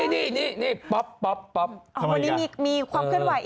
วันนี้มีความขึ้นไหวอีกใช่มั้ย